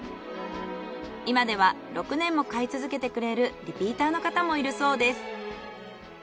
今では６年も買い続けてくれるリピーターの方もいるそうです。